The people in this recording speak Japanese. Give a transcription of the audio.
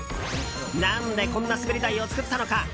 何で、こんな滑り台を作ったのか。